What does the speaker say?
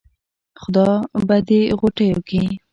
خدا به دې ِغوټېو کې